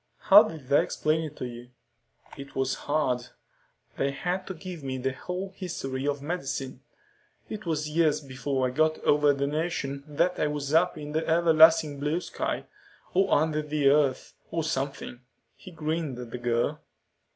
"How did they explain it to you?" "It was hard. They had to give me the whole history of medicine. It was years before I got over the notion that I was up in the Everlasting Blue Sky, or under the earth, or something." He grinned at the girl.